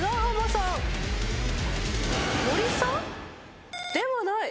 森さん？ではない。